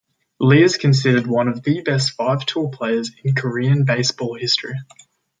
Lee is considered one of the best five-tool players in Korean baseball history.